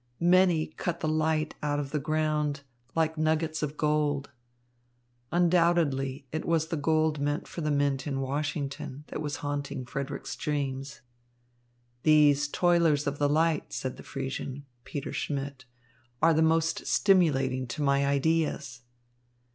Many cut the light out of the ground, like nuggets of gold. Undoubtedly it was the gold meant for the mint in Washington that was haunting Frederick's dreams. "These Toilers of the Light," said the Friesian, Peter Schmidt, "are the most stimulating to my ideas."